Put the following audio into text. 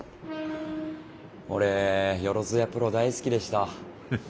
俺よろずやプロ大好きでした。